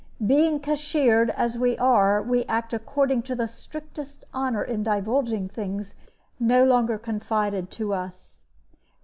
Being cashiered, as we are, we act according to the strictest honor in divulging things no longer confided to us."